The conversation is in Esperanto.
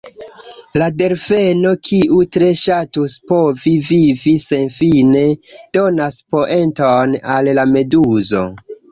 La delfeno, kiu tre ŝatus povi vivi senfine, donas poenton al la meduzo.